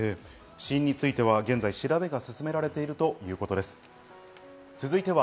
死因については現在、調べが進められているということです。